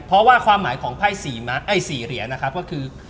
เพราะว่าความหมายของไพ่๔เหรียญนะครับก็คือ